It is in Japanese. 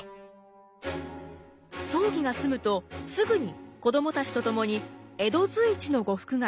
葬儀が済むとすぐに子どもたちと共に江戸随一の呉服街